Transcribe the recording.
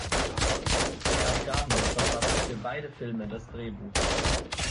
Herb Gardner verfasste für beide Filme das Drehbuch.